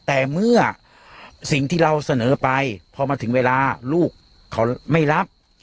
แต่เมื่อสิ่งที่เราเสนอไปพอมาถึงเวลาลูกเขาไม่รับ